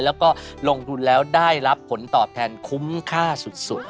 แล้วก็ลงทุนแล้วได้รับผลตอบแทนคุ้มค่าสุด